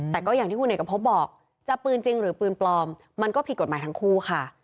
แต่ก็อย่างที่คุณเอกพบบอกจะปืนจริงหรือปืนปลอมมันก็ผิดกฎหมายทั้งคู่ค่ะ